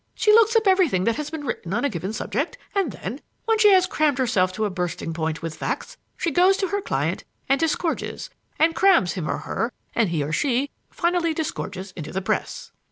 She looks up everything that has been written on a given subject, and then, when she has crammed herself to a bursting point with facts, she goes to her client and disgorges and crams him or her, and he or she finally disgorges into the Press."